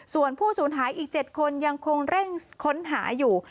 ส่วนผู้สูญหายอีก๗คนยังคงเร่งค้นหาอยู่